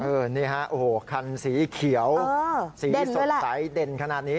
นี่ฮะโอ้โหคันสีเขียวสีสดใสเด่นขนาดนี้